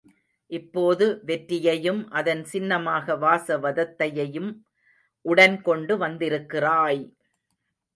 இப்போது வெற்றியையும் அதன் சின்னமாக வாசவதத்தையையும் உடன்கொண்டு வந்திருக்கிறாய்!